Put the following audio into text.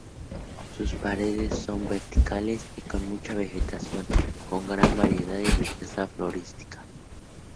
Sus paredes son verticales y con mucha vegetación con gran variedad y riqueza florística.